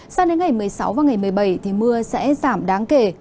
sang đến ngày một mươi sáu và ngày một mươi bảy thì mưa sẽ giảm đáng kể